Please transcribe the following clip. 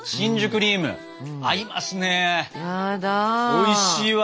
おいしいわ。